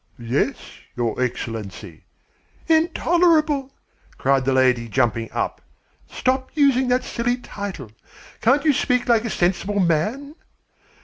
"Yes, your Excellency." "Intolerable!" cried the lady, jumping up. "Stop using that silly title. Can't you speak like a sensible man?"